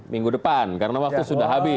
minggu depan karena waktu sudah habis